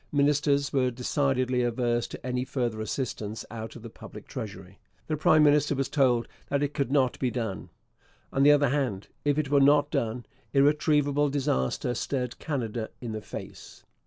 Ministers were decidedly averse to any further assistance out of the public treasury. The prime minister was told that it could not be done. On the other hand, if it were not done, irretrievable disaster stared Canada in the face.